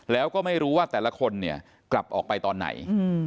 แล้วก็ไม่รู้ว่าแต่ละคนเนี่ยกลับออกไปตอนไหน